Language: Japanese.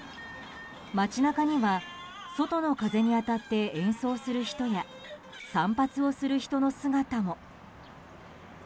街中には外の風に当たって演奏する人や散髪をする人の姿も。